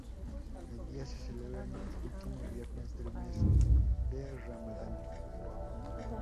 El día se celebra en el último viernes del mes de ramadán.